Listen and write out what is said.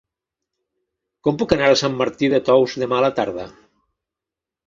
Com puc anar a Sant Martí de Tous demà a la tarda?